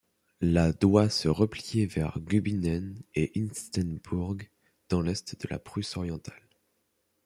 La doit se replier vers Gumbinnen et Insterburg, dans l'est de la Prusse-Orientale.